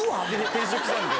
転職したんで。